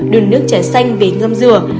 đường nước trà xanh về ngâm rửa